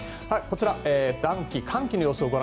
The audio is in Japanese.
こちら、暖気、寒気の予想